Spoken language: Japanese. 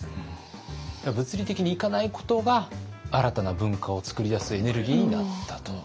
物理的に行かないことが新たな文化を作り出すエネルギーになったと。